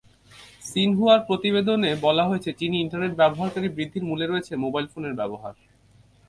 সিনহুয়ার প্রতিবেদনে বলা হয়েছে, চীনে ইন্টারনেট ব্যবহারকারী বৃদ্ধির মূলে রয়েছে মোবাইল ফোনের ব্যবহার।